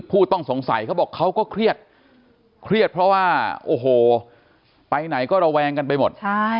ผู้ต้องสงสัยเขาบอกเขาก็เครียดเครียดเพราะว่าโอ้โหไปไหนก็ระแวงกันไปหมด